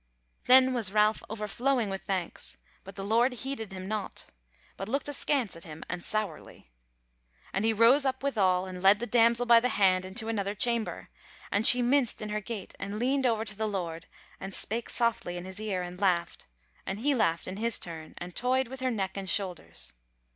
Then was Ralph overflowing with thanks, but the Lord heeded him naught, but looked askance at him and sourly. And he rose up withal, and led the damsel by the hand into another chamber; and she minced in her gait and leaned over to the Lord and spake softly in his ear and laughed, and he laughed in his turn and toyed with her neck and shoulders.